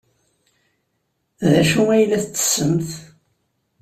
D acu ay la tettessemt?